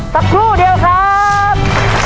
สักครู่เดียวครับ